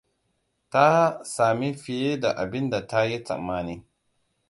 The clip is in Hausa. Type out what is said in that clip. Ta sami fiye da abinda ta yi tsammani.